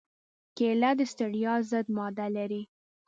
کېله د ستړیا ضد ماده لري.